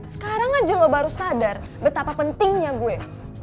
sekarang aja lo baru sadar betapa pentingnya gue